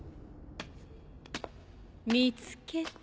・見つけた。